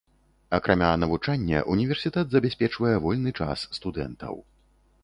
Акрамя навучання, універсітэт забяспечвае вольны час студэнтаў.